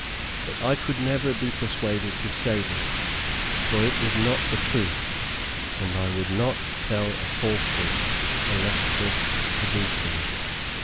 But I could never be persuaded to say this, for it was not the truth, and I would not tell a falsehood unless forced to do so.